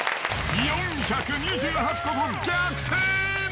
４２８個と逆転。